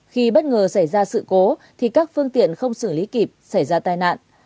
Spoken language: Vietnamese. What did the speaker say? khi bất ngờ xảy ra sự cố thì các phương tiện không xử lý kịp xảy ra tai nạn